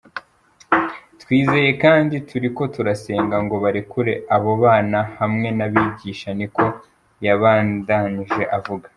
"Twizeye kandi turiko turasenga ngo barekure abo bana hamwe n'abigisha," niko yabandanije avuga.